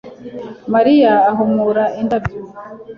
Mariya ahumura indabyo